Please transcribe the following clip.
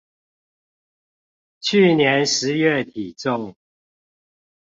去年十月體重